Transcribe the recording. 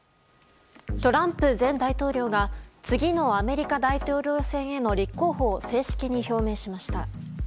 トランプ前大統領が次のアメリカ大統領選への立候補を正式に表明しました。